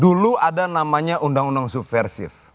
dulu ada namanya undang undang subversif